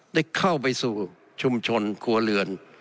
ได้เข้าไปสู่ชุมชนครัวเรือน